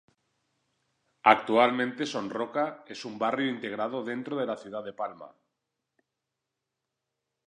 Actualmente Son Roca es un barrio integrado dentro de la ciudad de Palma.